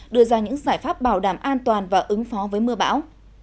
đưa ra những giải pháp bảo đảm an toàn và ứng phó với mưa bão